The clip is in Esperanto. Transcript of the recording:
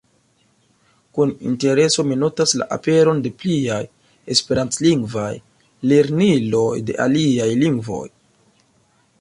Kun intereso mi notas la aperon de pliaj esperantlingvaj lerniloj de aliaj lingvoj.